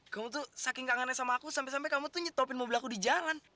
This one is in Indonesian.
kamu tuh saking kangennya sama aku sampai sampai kamu tuh nyetopin mobil aku di jalan